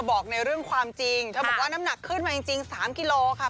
บอกในเรื่องความจริงเธอบอกว่าน้ำหนักขึ้นมาจริง๓กิโลค่ะ